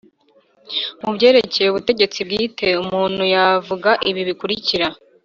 Mu byerekeye ubutegetsi bwite, umuntu yavuga ibi bikurikira